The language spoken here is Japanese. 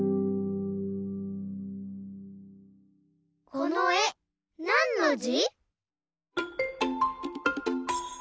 このえなんのじ？